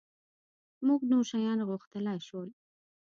مونږ نور شیان غوښتلای شول.